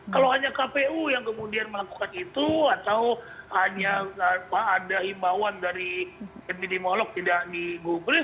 kalau hanya kpu yang kemudian melakukan itu atau hanya ada himbauan dari epidemiolog tidak di google